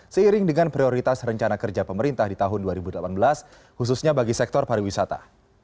seiring dengan prioritas rencana kerja pemerintah di tahun dua ribu delapan belas khususnya bagi sektor pariwisata